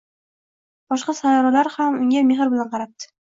Boshqa sayyoralar ham unga mehr bilan qarabdi